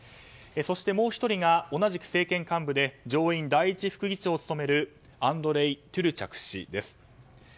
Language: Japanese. そして、もう１人が同じく政権幹部で上院第１副議長を務めるアンドレイ・トゥルチャク氏です。